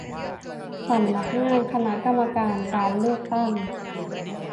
สำนักงานคณะกรรมการเลือกตั้ง